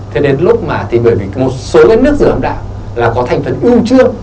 thế đến lúc mà thì bởi vì một số nước rửa âm đạo là có thành phần ưu trương